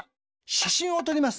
しゃしんをとります。